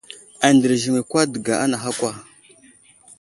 Andərziŋwi kwa dəŋga anaha kwa.